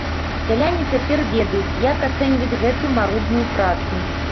Сяляне цяпер ведаюць, як ацэньваць гэтую марудную працу.